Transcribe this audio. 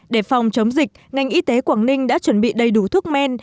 để phòng chống dịch ngành y tế quảng ninh đã chuẩn bị đầy đủ thuốc men